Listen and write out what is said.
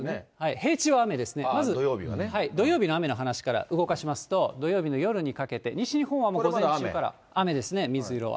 平地は雨ですね、まず、土曜日の雨の話から、動かしますと、土曜日の夜にかけて、西日本はもう午前中から雨ですね、水色は。